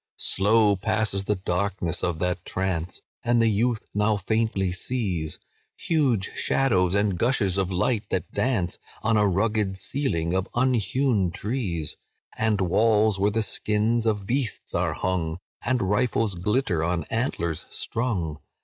"Slow passes the darkness of that trance, And the youth now faintly sees Huge shadows and gushes of light that dance On a rugged ceiling of unhewn trees, And walls where the skins of beasts are hung, And rifles glitter on antlers strung.